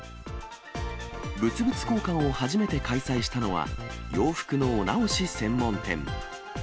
物々交換を初めて開催したのは、洋服のお直し専門店。